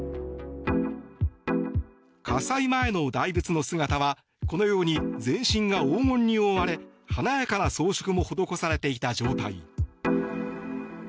火災前の大仏の姿はこのように全身が黄金に覆われ華やかな装飾も施されていた状態。